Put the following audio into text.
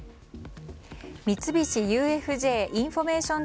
三菱ＵＦＪインフォメーション